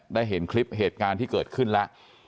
ได้เห็นคลิปเหตุการณ์ที่เกิดขึ้นแล้ว